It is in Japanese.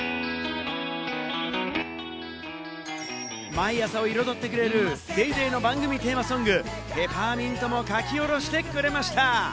毎朝を彩ってくれる『ＤａｙＤａｙ．』の番組テーマソング『ペパーミント』も書き下ろしてくれました。